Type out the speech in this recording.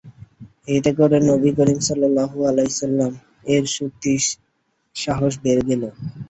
এতে করে নবী করীম সাল্লাল্লাহু আলাইহি ওয়াসাল্লাম-এর শক্তি সাহস বেড়ে গেল।